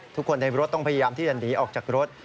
ทุกคนในรถต้องพยายามที่จะหนีออกจากรถ